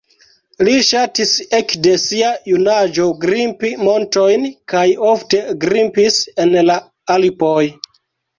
Li ŝatis ekde sia junaĝo grimpi montojn kaj ofte grimpis en la Alpoj.